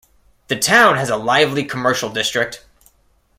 The town has a lively commercial district.